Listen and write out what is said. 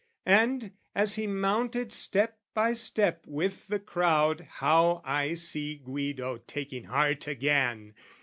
And as he mounted step by step with the crowd How I see Guido taking heart again!